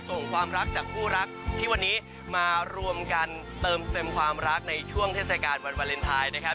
ความรักจากคู่รักที่วันนี้มารวมกันเติมเต็มความรักในช่วงเทศกาลวันวาเลนไทยนะครับ